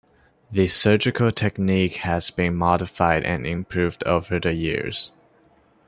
The surgical technique has been modified and improved over the years.